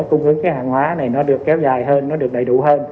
cung ứng cái hàng hóa này nó được kéo dài hơn nó được đầy đủ hơn